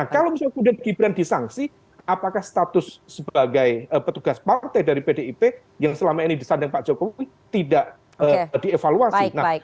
kalau misalnya kemudian gibran disangsi apakah status sebagai petugas partai dari pdip yang selama ini disandang pak jokowi tidak dievaluasi